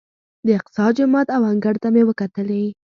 د اقصی جومات او انګړ ته مې وکتلې.